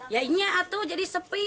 ya ini jadi sepi